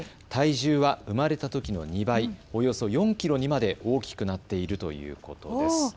体重は生まれたときの２倍、およそ４キロにまで大きくなっているということです。